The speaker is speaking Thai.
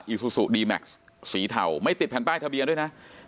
อซูซูดีแม็กซ์สีเทาไม่ติดแผ่นป้ายทะเบียนด้วยนะ